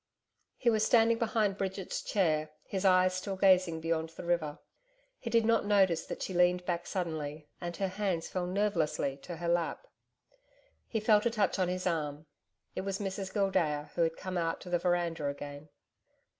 He was standing behind Bridget's chair, his eyes still gazing beyond the river. He did not notice that she leaned back suddenly, and her hands fell nervelessly to her lap. He felt a touch on his arm. It was Mrs Gildea, who had come out to the veranda again.